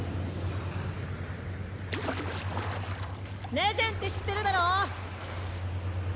ネジェンって知ってるだろ？